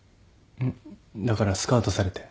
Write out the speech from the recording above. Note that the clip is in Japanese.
だからスカウトされて。